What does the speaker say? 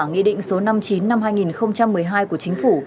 nghị định số năm mươi chín năm hai nghìn một mươi hai của chính phủ